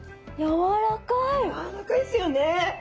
やわらかいですよね？